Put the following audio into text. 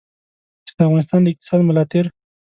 چې د افغانستان د اقتصاد ملا تېر.